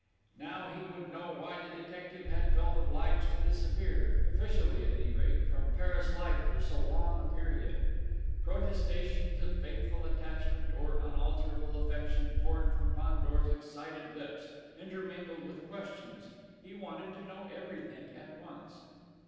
Now he would know why the detective had felt obliged to disappear, officially at any rate, from Paris life for so long a period. Protestations of faithful attachment, or unalterable affection poured from Fandor's excited lips, intermingled with questions: he wanted to know everything at once.